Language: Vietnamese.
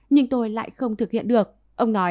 nhưng tôi lại không thực hiện được ông nói